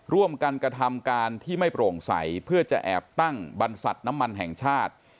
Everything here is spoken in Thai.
ร่วมกันกระทำการที่ไม่โปร่งใสเพื่อจะแอบตั้งบรรษัทน้ำมันแห่งชาติ